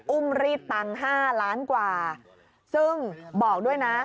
อุ้มรีดตังค์๕ล้านกว่าซึ่งบอกด้วยนะ